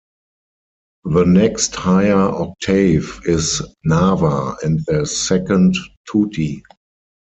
The next higher octave is "nawa" and the second "tuti".